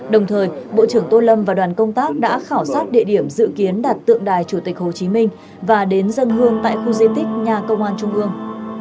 đồng thời bộ trưởng tô lâm và đoàn công tác đã khảo sát địa điểm dự kiến đặt tượng đài chủ tịch hồ chí minh và đến dân hương tại khu di tích nhà công an trung ương